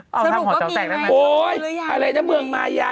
อ๋อทำของเจ้าแต่งได้ไหมครับโอ๊ยอะไรนะเมืองมายา